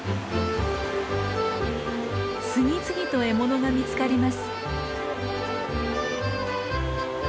次々と獲物が見つかります。